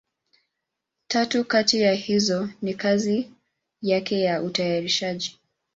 Tatu kati ya hizo ni kwa kazi yake ya utayarishaji.